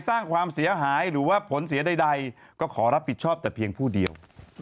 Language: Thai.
สร้างความเสียหายหรือว่าผลเสียใดก็ขอรับผิดชอบแต่เพียงผู้เดียว